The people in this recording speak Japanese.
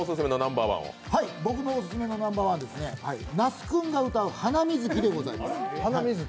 僕のオススメのナンバー１は那須君が歌う「ハナミズキ」です。